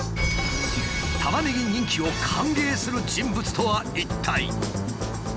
タマネギ人気を歓迎する人物とは一体。